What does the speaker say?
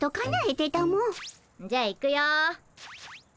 じゃあ行くよ。